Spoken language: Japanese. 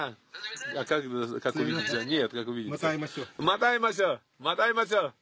・また会いましょう・また会いましょう。